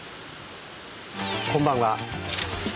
こんばんは。